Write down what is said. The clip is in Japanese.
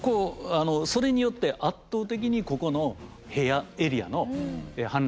それによって圧倒的にここの平野エリアの氾濫が減りました。